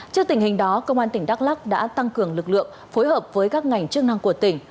trước tình hình đó công an tỉnh đắk lắc đã tăng cường lực lượng phối hợp với các ngành chức năng của tỉnh